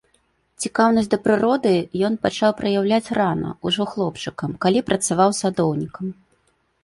Цікаўнасць да прыроды ён пачаў праяўляць рана, ужо хлопчыкам, калі працаваў садоўнікам.